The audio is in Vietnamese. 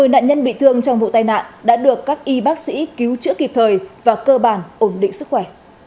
một mươi nạn nhân bị thương trong vụ tai nạn đã được các y bác sĩ cứu chữa kịp thời và cơ bản ổn định sức khỏe